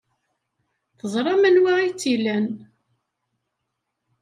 Teẓram anwa ay tt-ilan.